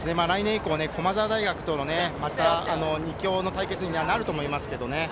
来年以降、駒澤大学との２強の対決になると思います。